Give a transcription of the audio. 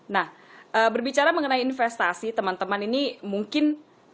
nah berbicara mengenai investasi teman teman ini mungkin